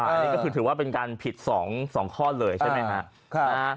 อันนี้ก็คือถือว่าเป็นการผิด๒ข้อเลยใช่ไหมฮะ